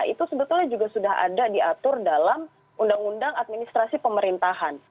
itu sebetulnya juga sudah ada diatur dalam undang undang administrasi pemerintahan